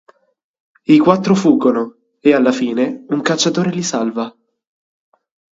I quattro fuggono e alla fine un cacciatore li salva.